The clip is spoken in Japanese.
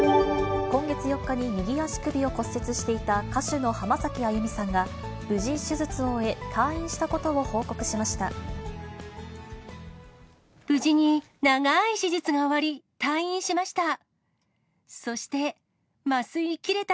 今月４日に右足首を骨折していた歌手の浜崎あゆみさんが、無事手術を終え、退院したことを報告しました。